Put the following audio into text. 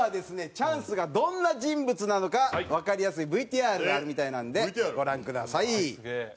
チャンスがどんな人物なのかわかりやすいＶＴＲがあるみたいなのでご覧ください。